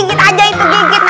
kita udah penet frame